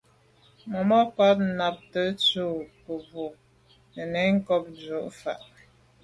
Màmá cák nâptə̄ tsə̂ cú mə̀bró nə̀ nɛ̌n cɑ̌k dʉ̀ vwá.